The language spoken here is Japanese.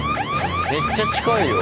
めっちゃ近いよ。